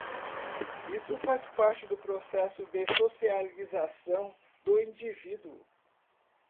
Isso faz parte do processo de socialização do indivíduo.